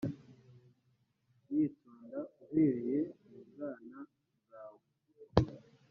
yitonda uhereye mu bwana bwawe